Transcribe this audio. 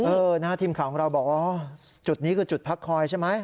เออนะฮะทีมข่าวของเราบอกว่าจุดนี้คือจุดพักคอยใช่ไหม